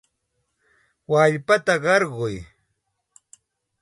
Wallpata qarquy.